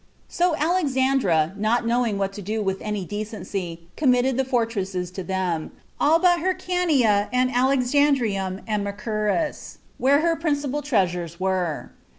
So Alexandra, not knowing what to do with any decency, committed the fortresses to them, all but Hyrcania, and Alexandrium, and Macherus, where her principal treasures were.